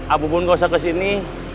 abu pun gak usah kesini